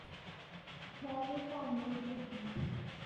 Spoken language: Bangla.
খেয়ালি কম নয় কুসুম।